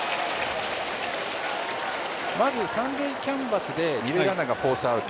まず三塁キャンバスで二塁ランナーがフォースアウト。